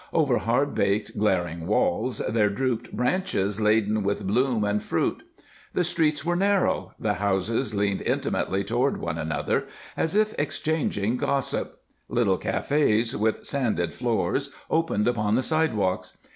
Over hard baked, glaring walls there drooped branches laden with bloom and fruit. The streets were narrow, the houses leaned intimately toward one another, as if exchanging gossip; little cafés with sanded floors opened upon the sidewalks.